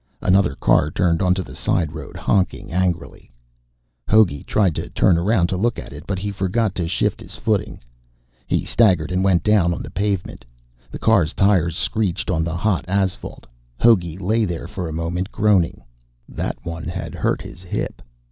Another car turned onto the side road, honking angrily. Hogey tried to turn around to look at it, but he forgot to shift his footing. He staggered and went down on the pavement. The car's tires screeched on the hot asphalt. Hogey lay there for a moment, groaning. That one had hurt his hip.